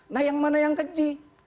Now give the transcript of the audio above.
nah yang mana yang kecil